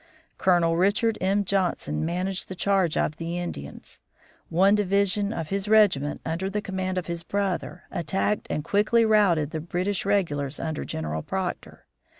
Colonel Richard M. Johnson managed the charge of the Americans. One division of his regiment, under command of his brother, attacked and quickly routed the British regulars under General Proctor.